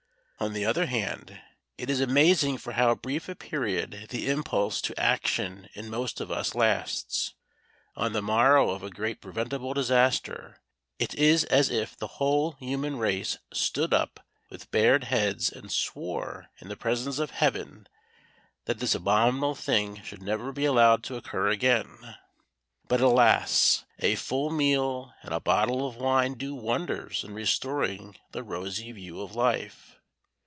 On the other hand, it is amazing for how brief a period the impulse to action in most of us lasts. On the morrow of a great preventable disaster it is as if the whole human race stood up with bared heads and swore in the presence of Heaven that this abominable thing should never be allowed to occur again. But, alas! a full meal and a bottle of wine do wonders in restoring the rosy view of life.